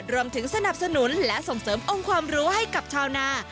รวมถึงสนับสนุนและส่งเสริมองค์ความรู้ให้กับชาวนา